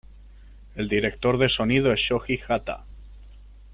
El director de sonido es Shoji Hata.